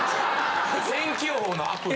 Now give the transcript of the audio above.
天気予報のアプリ！？